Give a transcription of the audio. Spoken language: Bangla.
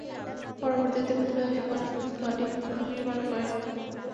পরবর্তীকালে কুরায়শগণ ঘরটি পুনর্নির্মাণ করে।